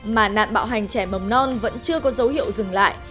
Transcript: mà nạn bạo hành trẻ mầm non vẫn chưa có dấu hiệu dừng lại